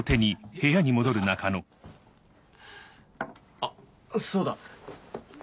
あっそうだ。